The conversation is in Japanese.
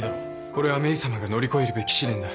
これはメイさまが乗り越えるべき試練だ。